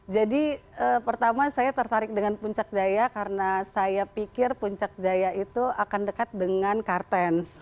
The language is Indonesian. jadi pertama saya tertarik dengan puncak jaya karena saya pikir puncak jaya itu akan dekat dengan kartens